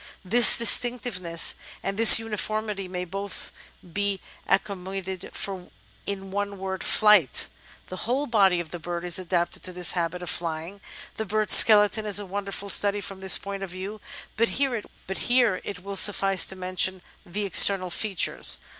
This distinctiveness and this uniformity may both be ac coimted for in one word — ^Flight. The whole body of the bird is adapted to this habit of flying. The bird's skeleton is a wonderful study from this point of view, but here it will suffice to mention the external features.